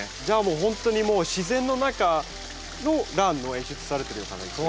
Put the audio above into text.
じゃあもうほんとにもう自然の中のランの演出されてる感じ。